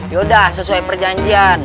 ya udah sesuai perjanjian